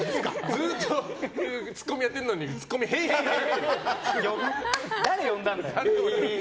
ずっとツッコミやってるのにツッコミがヘイヘイヘイ！